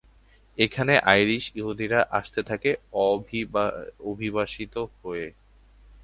এখানে আইরিশ, ইহুদিরা আসতে থাকে অভিবাসিত হয়ে।